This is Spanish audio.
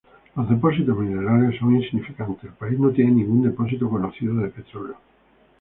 Los depósitos minerales son insignificantes; el país no tiene ningún depósito conocido de petróleo.